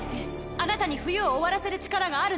あなたに冬を終わらせる力があるの？